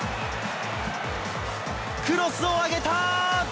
クロスを上げた！